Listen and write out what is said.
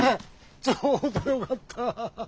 ちょうどよかったァ。